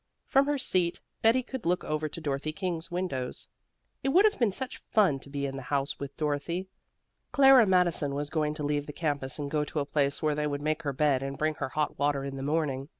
From her seat Betty could look over to Dorothy King's windows. It would have been such fun to be in the house with Dorothy. Clara Madison was going to leave the campus and go to a place where they would make her bed and bring her hot water in the morning.